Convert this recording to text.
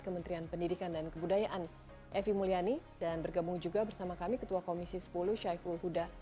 kementerian pendidikan dan kebudayaan evi mulyani dan bergabung juga bersama kami ketua komisi sepuluh syaiful huda